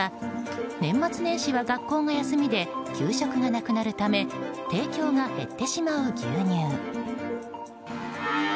年末年始は学校が休みで給食がなくなるため提供が減ってしまう牛乳。